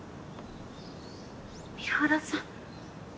三原さん。